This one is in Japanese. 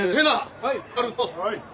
はい。